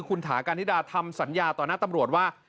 คุณถาการนิดาทำสัญญาต่อหน้าตำรวจว่า